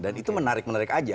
dan itu menarik menarik aja